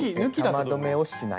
玉留めをしない。